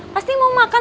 pasti mau makan